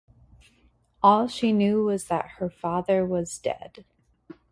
All she knew was that her father was dead.